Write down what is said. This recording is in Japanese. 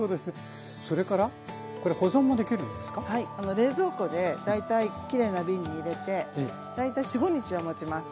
冷蔵庫で大体きれいな瓶に入れて大体４５日はもちます。